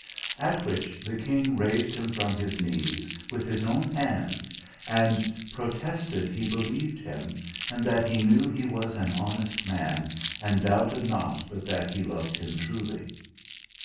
At which the King raised him from his knees with his own hands, and "protested he believed him; and that he knew he was an honest man, and doubted not but that he loved him truly."